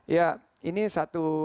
ya ini satu